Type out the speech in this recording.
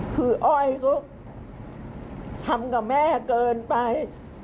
คืออ้อยก็ทำกับแม่เกินไป